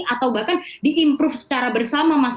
atau bahkan di improve secara bersama mas